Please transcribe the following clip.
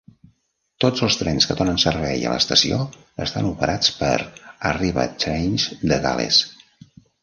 Tots els trens que donen servei a l'estació estan operats per Arriva Trains de Gales.